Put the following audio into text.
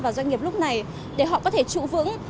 và doanh nghiệp lúc này để họ có thể trụ vững